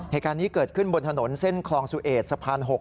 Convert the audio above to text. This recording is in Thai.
เหตุการณ์นี้เกิดขึ้นบนถนนเส้นคลองสุเอสสะพาน๖